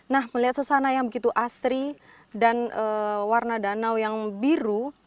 nah melihat susana yang begitu asri dan warna danau yang biru